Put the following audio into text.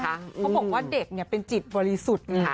เขาบอกว่าเด็กเป็นจิตบริสุทธิ์ไง